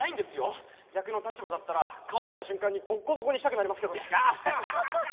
逆の立場だったら顔を見た瞬間にボッコボコにしたくなりますけどね。